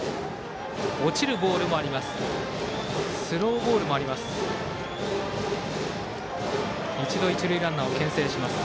落ちるボールもあります。